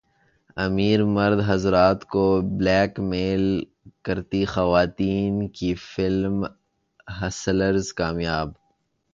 امیر مرد حضرات کو بلیک میل کرتی خواتین کی فلم ہسلرز کامیاب